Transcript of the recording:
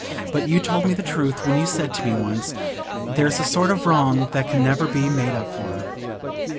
But you told me the truth when you said to me once, "There's a sort of wrong that can never be made up for."